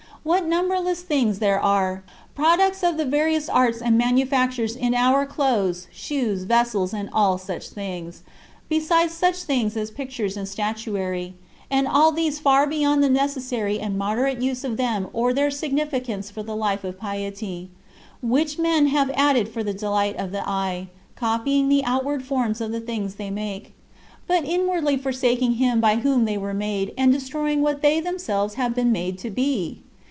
" 53. What numberless things there are: products of the various arts and manufactures in our clothes, shoes, vessels, and all such things; besides such things as pictures and statuary and all these far beyond the necessary and moderate use of them or their significance for the life of piety which men have added for the delight of the eye, copying the outward forms of the things they make; but inwardly forsaking Him by whom they were made and destroying what they themselves have been made to be!